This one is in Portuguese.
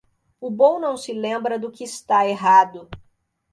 O bom não se lembra do que está errado.